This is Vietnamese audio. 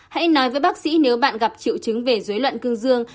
hãy nói với bác sĩ nếu bạn gặp triệu chứng về dối loạn cương dương